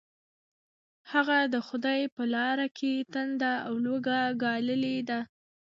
هغه د خدای په لاره کې تنده او لوږه ګاللې ده.